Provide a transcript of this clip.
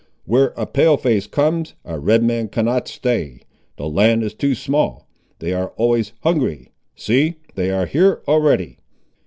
Where a Pale face comes, a Red man cannot stay. The land is too small. They are always hungry. See, they are here already!"